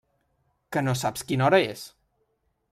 Que no saps quina hora és?